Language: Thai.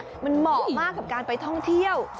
มันเหมาะมากกับการไปท่องเที่ยว